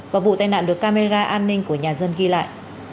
và vụ tai nạn được camera an ninh của nhà dân ghi lại